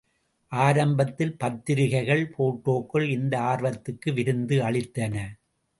ஆரம்பத்தில் பத்திரிகைகள், போட்டோக்கள் இந்த ஆர்வத்துக்கு விருந்து அளித்தன.